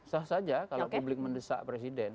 sah saja kalau publik mendesak presiden